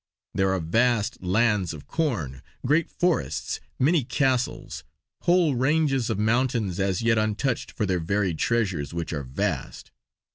There are vast lands of corn, great forests, many castles, whole ranges of mountains as yet untouched for their varied treasures which are vast.